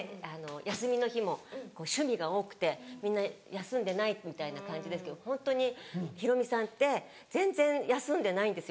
休みの日も趣味が多くてみんな休んでないみたいな感じですけどホントにヒロミさんって全然休んでないんですよ。